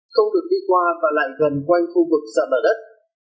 không được đi qua và lại gần quanh khu vực sạt lở đất